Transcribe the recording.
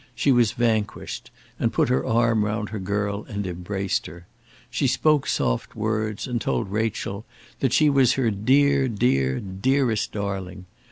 She was vanquished, and put her arm round her girl and embraced her. She spoke soft words, and told Rachel that she was her dear, dear, dearest darling.